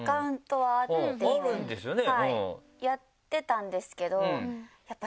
あるんですよね。